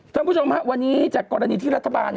คุณผู้ชมฮะวันนี้จากกรณีที่รัฐบาล